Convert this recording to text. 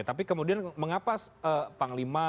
tapi kemudian mengapa panglima